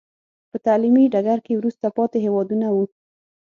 په تعلیمي ډګر کې وروسته پاتې هېوادونه وو.